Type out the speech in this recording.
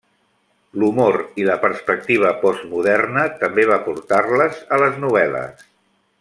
L'humor i la perspectiva postmoderna també va portar-les a les novel·les.